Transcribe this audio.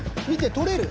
取れる。